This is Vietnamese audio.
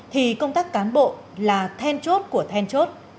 thì công tác cán bộ là then chốt của then chốt